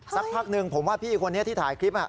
สักพักหนึ่งผมว่าพี่คนนี้ที่ถ่ายคลิป